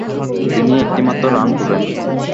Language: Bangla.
তিনি একটিমাত্র রান তুলেন।